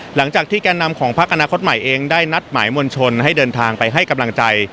หลังจากที่แก่นำของพักอนาคตใหม่เองได้นัดหมายมวลชนให้เดินทางไปให้กำลังใจ